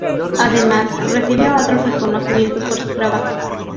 Además, recibió otros reconocimientos por su trabajo.